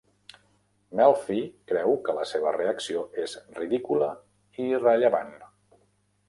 Melfi creu que la seva reacció és ridícula i irrellevant.